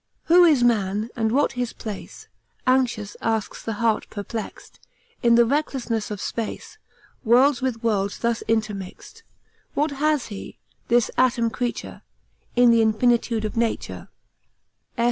'Who is man and what his place, Anxious asks the heart perplext, In the recklessness of space, Worlds with worlds thus intermixt, What has he, this atom creature, In the infinitude of nature?'